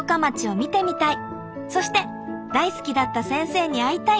そして大好きだった先生に会いたい。